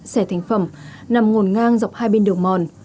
xẻ thành phẩm nằm ngổn ngang dọc hai bên đường mòn